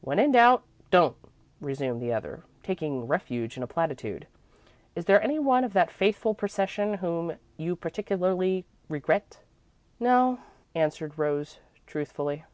"'When in doubt, don't,'" resumed the other, taking refuge in a platitude. "Is there any one of that faithful procession whom you particularly regret?" "No," answered Rose, truthfully.